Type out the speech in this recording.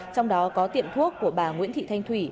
trong đó có tiệm thuốc của bà nguyễn thị thanh thủy